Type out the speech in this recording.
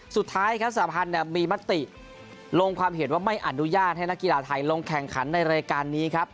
สุดท้ายครับสหพันธ์มีมติลงความเห็นว่าไม่อนุญาตให้นักกีฬาไทยลงแข่งขันในรายการนี้ครับ